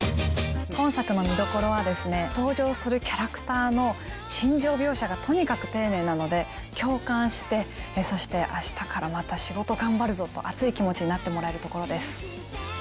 今作の見どころは、登場するキャラクターの心情描写がとにかく丁寧なので、共感して、そしてあしたからまた仕事頑張るぞと熱い気持ちになってもらえるところです。